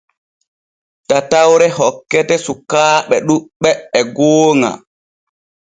Tatawre hokkete sukaaɓe ɗuuɓɓe e gooŋa.